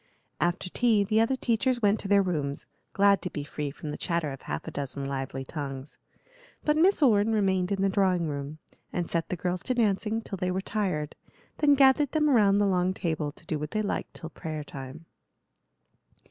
After tea the other teachers went to their rooms, glad to be free from the chatter of half a dozen lively tongues; but Miss Orne remained in the drawing room, and set the girls to dancing till they were tired, then gathered them round the long table to do what they liked till prayer time.